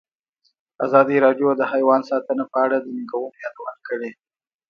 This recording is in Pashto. ازادي راډیو د حیوان ساتنه په اړه د ننګونو یادونه کړې.